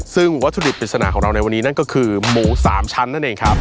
ซึ่งวัตถุดิบปริศนาของเราในวันนี้นั่นก็คือหมู๓ชั้นนั่นเองครับ